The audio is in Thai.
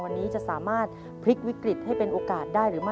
วันนี้จะสามารถพลิกวิกฤตให้เป็นโอกาสได้หรือไม่